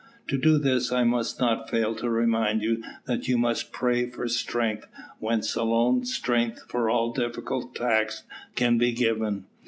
To do this I must not fail to remind you that you must pray for strength whence alone strength for all difficult tasks can be given."